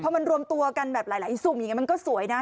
พอมันรวมตัวกันแบบหลายสุ่มอย่างนี้มันก็สวยนะ